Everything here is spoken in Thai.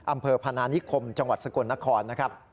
อำเภอพนานิคมจังหวัดสกลนครนะครับ